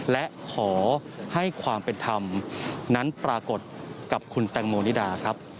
และขอให้ความเป็นธรรมนั้นปรากฏกับคุณแตงโมนิดาครับ